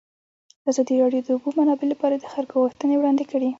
ازادي راډیو د د اوبو منابع لپاره د خلکو غوښتنې وړاندې کړي.